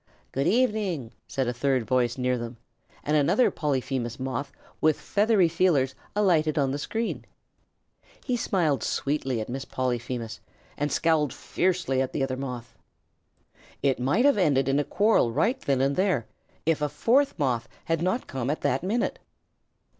"Good evening," said a third voice near them, and another Polyphemus Moth with feathery feelers alighted on the screen. He smiled sweetly at Miss Polyphemus and scowled fiercely at the other Moth. It would have ended in a quarrel right then and there, if a fourth Moth had not come at that minute.